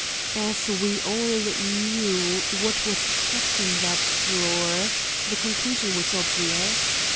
As we all knew what was kept in that drawer, the conclusion was obvious.